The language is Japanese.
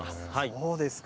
そうですか。